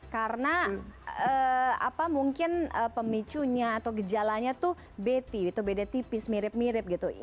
karena apa mungkin pemicunya atau gejalanya tuh bd bd tipis mirip mirip gitu